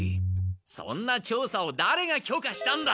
そんな調査をだれが許可したんだ！